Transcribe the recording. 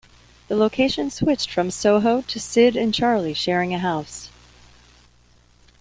The location switched from Soho to Sid and Charlie sharing a house.